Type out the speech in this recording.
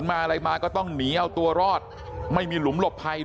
พวกมันกลับมาเมื่อเวลาที่สุดพวกมันกลับมาเมื่อเวลาที่สุด